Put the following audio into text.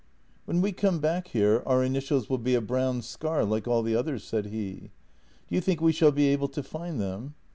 " When we come back here our initials will be a brown scar like all the others," said he. " Do you think we shall be able to find them